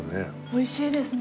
美味しいですね。